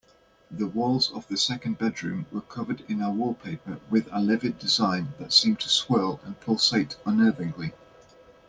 The walls of the second bedroom were covered in a wallpaper with a livid design that seemed to swirl and pulsate unnervingly.